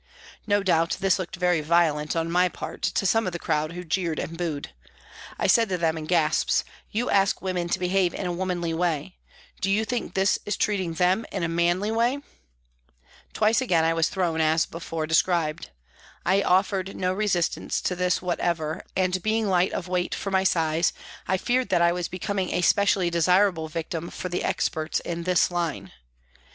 No doubt this looked very " violent " on my part to some of the crowd who jeered and booed. I said to them, in gasps :" You ask women to behave in a womanly way ; do you think this is treating them in a manly way ?" Twice again I was thrown as before described. I offered no resistance to this whatever, and being of light weight for my size, I feared that I was becoming a specially desirable victim for the experts in this line.